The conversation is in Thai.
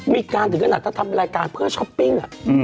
มีการถึงขนาดถ้าทำรายการเพื่อช้อปปิ้ง